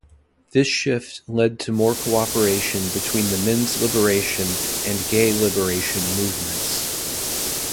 This shift led to more cooperation between the men's liberation and gay liberation movements.